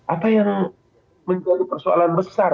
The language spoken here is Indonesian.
apa yang menjadi persoalan besar